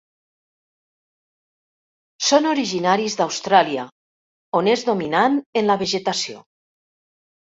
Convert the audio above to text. Són originaris d'Austràlia on és dominant en la vegetació.